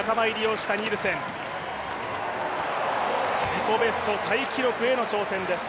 自己ベストタイ記録への挑戦です。